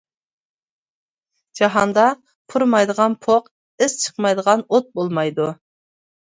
جاھاندا پۇرىمايدىغان پوق، ئىس چىقمايدىغان ئوت بولمايدۇ.